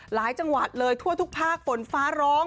หลายจังหวัดเลยทั่วทุกภาคฝนฟ้าร้อง